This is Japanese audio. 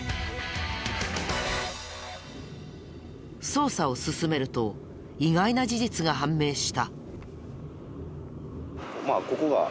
捜査を進めると意外な事実が判明した。